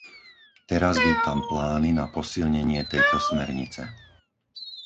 Teraz vítam plány na posilnenie tejto smernice.